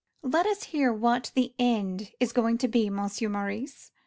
Let us hear what the end is going to be, Monsieur Maurice.